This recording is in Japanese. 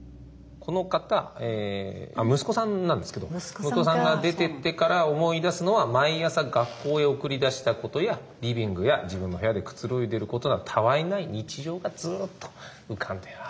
この方息子さんなんですけど息子さんが出てってから思い出すのは毎朝学校へ送り出したことやリビングや自分の部屋でくつろいでることなどたわいない日常がずっと浮かんでる。